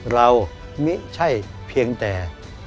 มิใช่เพียงแต่